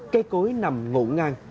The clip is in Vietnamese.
cây cối nằm ngộ ngang